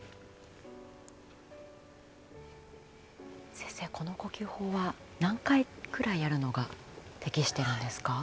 先生、この呼吸法は何回くらいやるのが適しているんですか？